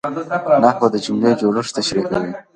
نحوه د جملې جوړښت تشریح کوي.